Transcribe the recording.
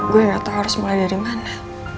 gue gak tau harus mulai dari mana